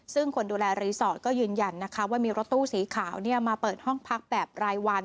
ซึ่งคนดูแลรีสอร์ทก็ยืนยันนะคะว่ามีรถตู้สีขาวมาเปิดห้องพักแบบรายวัน